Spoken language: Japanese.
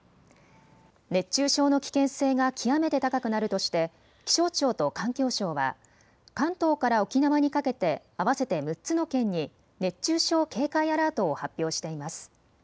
熱中症の危険性が極めて高くなるとして気象庁と環境省は関東から沖縄にかけて合わせて６つの県に熱中症警戒アラートを発表しています。